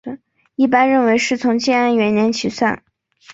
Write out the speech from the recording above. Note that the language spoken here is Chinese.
一般认为是从建安元年起算。